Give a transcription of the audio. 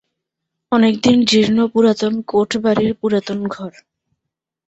অনেকদিনের জীর্ণ পুরাতন কোঠ-বাড়ির পুরাতন ঘর।